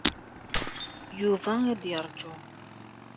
Yuba ad yeṛǧu.